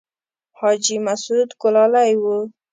حاجي مسعود ګلالی و.